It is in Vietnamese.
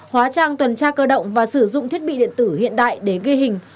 hóa trang tuần tra cơ động và sử dụng thiết bị điện tử hiện đại để ghi hình